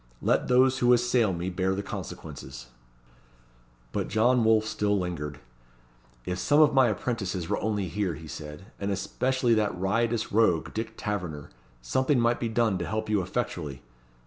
Let those who assail me bear the consequences." But John Wolfe still lingered. "If some of my apprentices were only here," he said, "and especially that riotous rogue, Dick Taverner, something might be done to help you effectually.